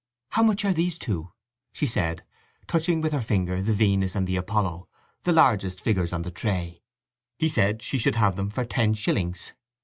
"How much are these two?" she said, touching with her finger the Venus and the Apollo—the largest figures on the tray. He said she should have them for ten shillings.